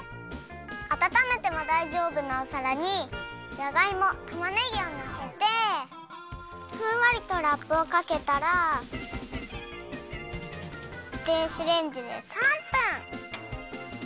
あたためてもだいじょうぶなおさらにじゃがいもたまねぎをのせてふんわりとラップをかけたら電子レンジで３分。